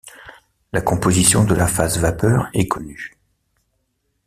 La composition de la phase vapeur est connue.